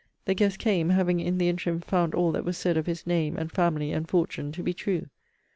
The guests came, having in the interim found all that was said of his name, and family, and fortune to be true.